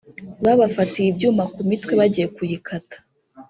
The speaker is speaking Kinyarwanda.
babafatiye ibyuma ku mitwe bagiye kuyikata